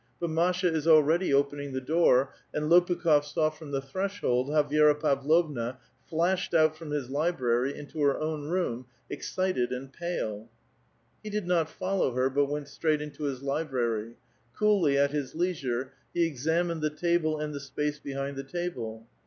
But Masha is already opening the door, and Lopukh6f saw from the thresh old how Vi6ra Pavlovna flashed out fi*om his library into hei own room, excited and pale. He did not follow her, but went straight into his library ; coolly, at his leisure, he examined the table and the space behind the table.